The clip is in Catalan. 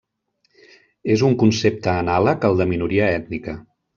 És un concepte anàleg al de minoria ètnica.